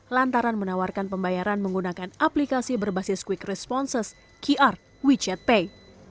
lantaran menawarkan pembayaran menggunakan aplikasi berbasis quick responses qr wechat pay